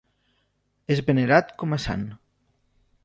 És venerat com a sant.